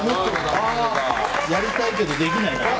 やりたいけどできないな。